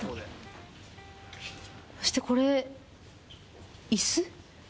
そしてこれ。